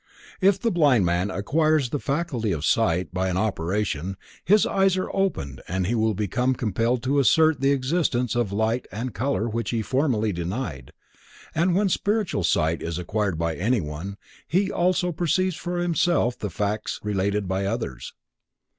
If the blind man acquires the faculty of sight by an operation, his eyes are opened and he will be compelled to assert the existence of light and color which he formerly denied, and when spiritual sight is acquired by anyone, he also perceives for himself the facts related by others.